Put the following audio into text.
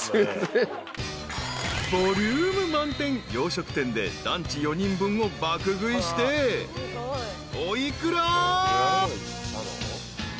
［ボリューム満点洋食店でランチ４人分を爆食いしてお幾ら？］